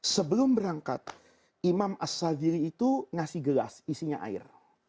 sebelum berangkat imam as sadhili itu ngasih gelas isinya air